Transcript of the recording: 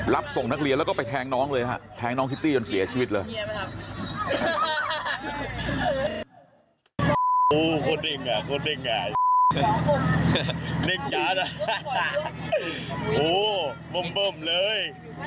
รับส่งนักเรียนแล้วก็ไปแทงน้องเลยฮะแทงน้องคิตตี้จนเสียชีวิตเลย